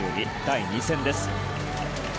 第２戦です。